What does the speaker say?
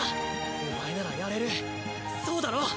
お前ならやれるそうだろ。